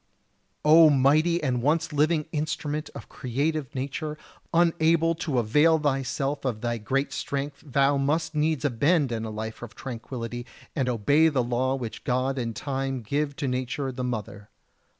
O mighty and once living instrument of creative nature, unable to avail thyself of thy great strength thou must needs abandon a life of tranquillity and obey the law which God and time gave to Nature the mother.